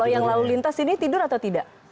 yang lalu lintas ini tidur atau tidak